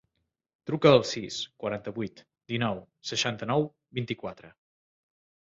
Truca al sis, quaranta-vuit, dinou, seixanta-nou, vint-i-quatre.